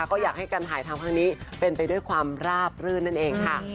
แล้วก็อยากให้กันหายทางข้างนี้เป็นไปด้วยความราบรื่นนั่นเองค่ะ